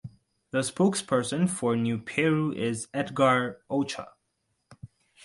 The spokesperson for New Peru is Edgar Ochoa.